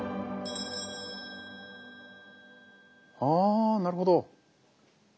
あなるほど！